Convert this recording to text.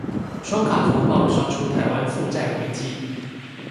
雙卡風暴刷出台灣負債危機